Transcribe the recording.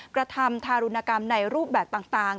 กระทำทารุณกรรมในรูปแบบต่าง